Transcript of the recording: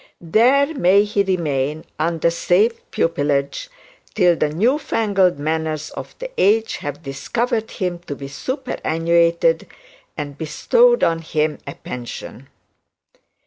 There may he remain, under safe pupilage, till the new fangled manners of the age have discovered him to be superannuated, and bestowed on him a pension.